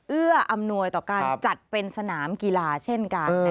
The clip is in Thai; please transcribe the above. เอื้ออำนวยต่อการจัดเป็นสนามกีฬาเช่นกัน